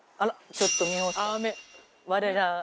ちょっと美穂さん。